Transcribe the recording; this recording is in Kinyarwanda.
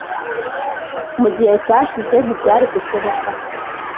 Mu gihe cyashize ntibyari gushoboka